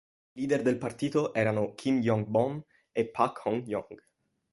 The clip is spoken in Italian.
I leader del partito erano Kim Yong-bom e Pak Hon-yong.